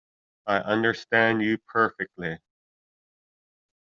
I understand you perfectly.